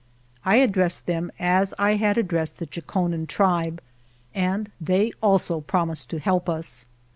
I addressed them as I had addressed the Chokonen tribe, and they also promised to help us.